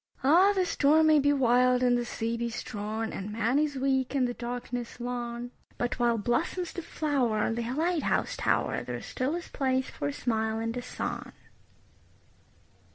Ah, the storm may be wild and the sea be strong, And man is weak and the darkness long, But while blossoms the flower on the light house tower There still is place for a smile and a song.